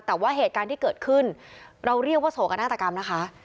แต่ว่าเหตุการณ์ที่เกิดขึ้นเราเรียกว่าโศกนาฏกรรมนะคะ